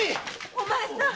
お前さん！